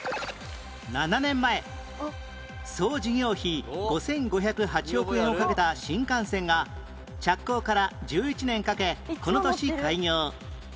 ７年前総事業費５５０８億円をかけた新幹線が着工から１１年かけこの年開業